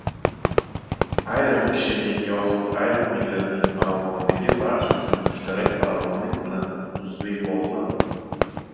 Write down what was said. Ayrim kishining yoxud ayrim millatning farovonligi barcha uchun mushtarak farovonlik bilan uzviy bogliq.